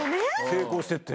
成功していって。